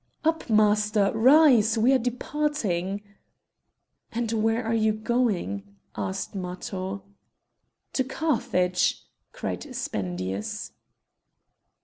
"Up, master! rise! we are departing!" "And where are you going?" asked Matho. "To Carthage!" cried Spendius.